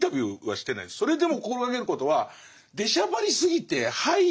それでも心掛けることは出しゃばりすぎてはい・